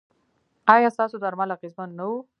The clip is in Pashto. ایا ستاسو درمل اغیزمن نه وو؟